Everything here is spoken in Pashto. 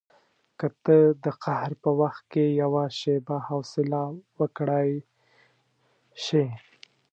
که ته د قهر په وخت کې یوه شېبه حوصله وکړای شې.